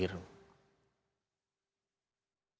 saya berbuat penyelidikan